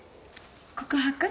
告白？